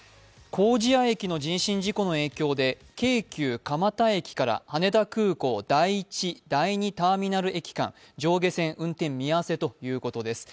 糀谷駅の人身事故の影響で京急蒲田駅から羽田空港、第１、第２ターミナル駅で上下線運転見合わせということです。